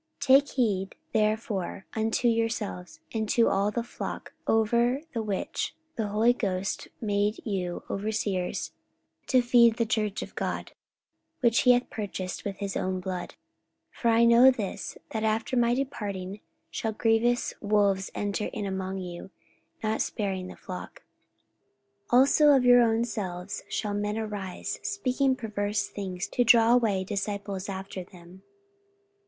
44:020:028 Take heed therefore unto yourselves, and to all the flock, over the which the Holy Ghost hath made you overseers, to feed the church of God, which he hath purchased with his own blood. 44:020:029 For I know this, that after my departing shall grievous wolves enter in among you, not sparing the flock. 44:020:030 Also of your own selves shall men arise, speaking perverse things, to draw away disciples after them.